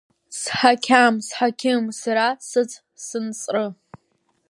Сҳақьам, сҳақьым сара сыҵсынҵры.